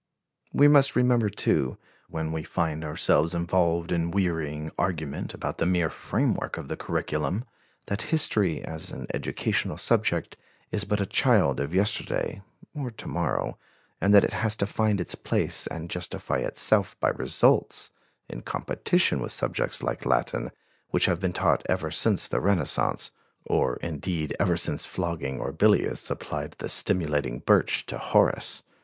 We must remember, too, when we find ourselves involved in wearying argument about the mere framework of the curriculum, that history as an educational subject is but a child of yesterday or to morrow; and that it has to find its place and justify itself by results, in competition with subjects like Latin, which have been taught ever since the Renaissance, or indeed ever since flogging Orbilius applied the stimulating birch to Horace.